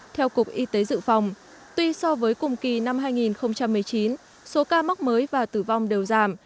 theo cục y tế dự phòng tuy so với cùng kỳ năm hai nghìn một mươi chín số ca mắc mới và tử vong đều giảm